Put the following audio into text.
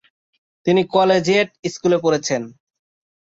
তিনি কলেজিয়েট স্কুলে পড়েছেন।